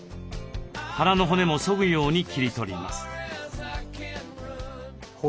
腹の骨もそぐように切り取ります。